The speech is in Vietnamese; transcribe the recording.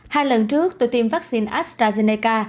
hai lần trước tôi tiêm vaccine astrazeneca